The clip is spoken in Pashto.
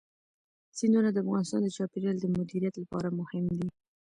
سیندونه د افغانستان د چاپیریال د مدیریت لپاره مهم دي.